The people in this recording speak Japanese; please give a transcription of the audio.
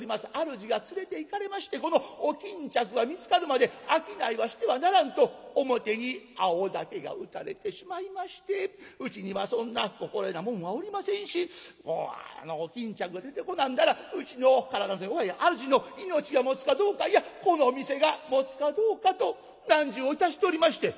主が連れていかれましてこのお巾着が見つかるまで商いはしてはならんと表に青竹が打たれてしまいましてうちにはそんな心得な者はおりませんしもうあのお巾着が出てこなんだらうちの体の弱い主の命がもつかどうかいやこの店がもつかどうかと難事をいたしておりまして」。